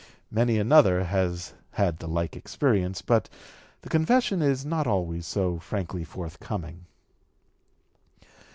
Many another has had the like experience, but the confession is not always so frankly forthcoming.